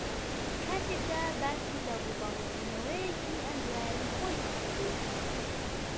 لەکاتێکدا باسی لە ڕووبەڕووبوونەوەیەکی ئەم دواییانەی خۆی کردبوو